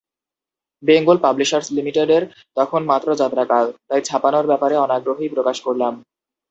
Bengal publishers লিমিটেডের তখন মাত্র যাত্রাকাল, তাই ছাপানোর ব্যাপারে অনাগ্রহই প্রকাশ করলাম।